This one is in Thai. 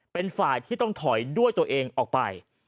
เป็นฝ่ายที่ต้องถอยด้วยตัวเองออกไป